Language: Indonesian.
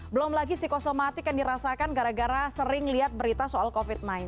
belum lagi psikosomatik yang dirasakan gara gara sering lihat berita soal covid sembilan belas